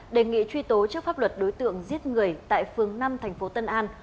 đề nghị truy tố trước pháp luật đối tượng giết người tại phường năm thành phố tân an